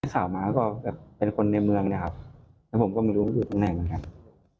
สามารถก็แบบเป็นคนในเมืองเนี่ยครับแต่ผมก็ไม่รู้ว่าจะอยู่ตรงไหนเหมือนกันครับ